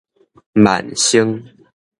萬盛